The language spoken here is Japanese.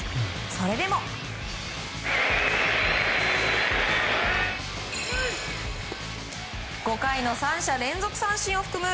それでも５回の３者連続三振を含む